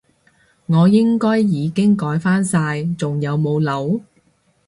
我應該已經改返晒，仲有冇漏？